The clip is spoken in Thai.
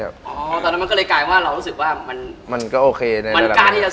ตอนนั้นมันก็เลยกลายมาเรารู้สึกว่ามันกล้าที่จะเสี่ยง